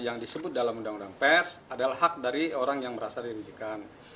yang disebut dalam undang undang pers adalah hak dari orang yang merasa dirugikan